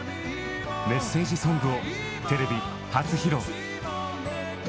メッセージソングをテレビ初披露！